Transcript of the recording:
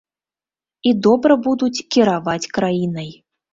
І добра будуць кіраваць краінай.